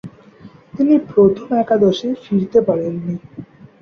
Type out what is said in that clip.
তিনি প্রথম একাদশে ফিরতে পারেননি।